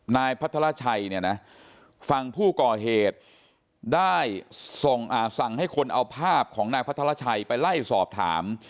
นายพระธราชัยฟังผู้ก่อเหตุได้สั่งให้คนเอาภาพของนายพระธราชัยไปไล่สอบถาม